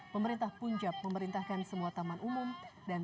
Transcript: pemerintah punjab memerintahkan semua taman umum dan tempat perbelanjaan